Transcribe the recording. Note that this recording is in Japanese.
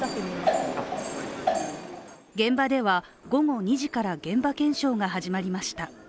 現場では午後２時から現場検証が始まりました。